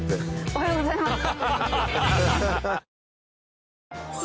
おはようございます。